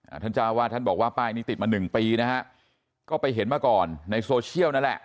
ท่านเจ้าวาดท่านบอกว่าป้ายนี้ติดมาหนึ่งปีนะฮะก็ไปเห็นมาก่อนในโซเชียลนั่นแหละ